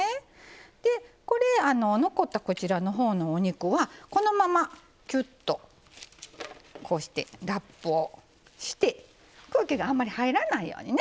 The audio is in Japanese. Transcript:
でこれ残ったこちらのほうのお肉はこのままキュッとこうしてラップをして空気があんまり入らないようにね